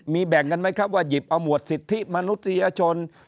มีแบ่งกันไหมครับว่าหยิบเอาหมวดสิทธิมนุษยชน